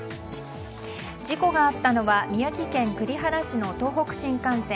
事故があったのは宮城県栗原市の東北新幹線